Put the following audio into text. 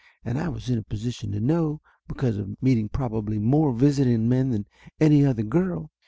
And I was in a position to know, because of meeting probably more visiting men than any other girl.